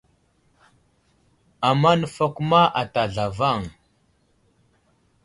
Ama nay nəfakuma ata zlavaŋ.